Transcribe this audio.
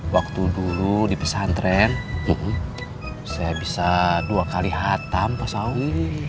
waktu dulu di pesantren saya bisa dua kali hatam pak saung